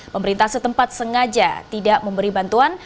pemerintah setempat sengaja tidak memberi bantuan